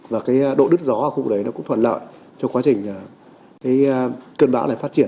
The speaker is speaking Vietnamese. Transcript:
và độ đứt gió ở khu vực đấy cũng thuận lợi cho quá trình cơn bão này phát triển